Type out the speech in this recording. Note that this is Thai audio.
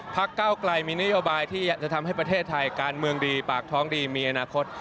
เก้าไกลมีนโยบายที่จะทำให้ประเทศไทยการเมืองดีปากท้องดีมีอนาคต